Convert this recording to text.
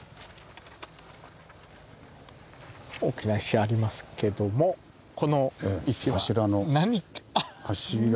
大きな石ありますけどもこの石は。